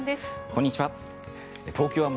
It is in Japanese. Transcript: こんにちは。